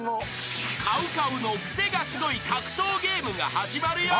［ＣＯＷＣＯＷのクセがスゴい格闘ゲームが始まるよ］